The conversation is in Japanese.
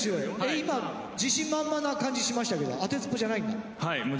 今自信満々な感じしましたけどあてずっぽうじゃないんだ。